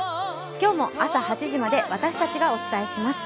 今日も朝８時まで私たちがお伝えします。